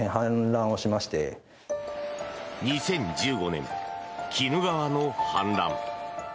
２０１５年、鬼怒川の氾濫。